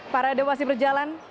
paraden masih berjalan